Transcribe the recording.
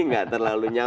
nggak terlalu banyak